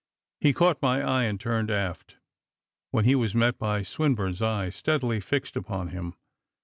He caught my eye, and turned aft, when he was met by Swinburne's eye, steadily fixed upon him.